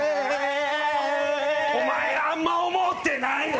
お前、あんま思ってないよね。